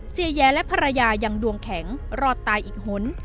เสียแย้และภรรยายังดวงแข็งรอดตายอีกหน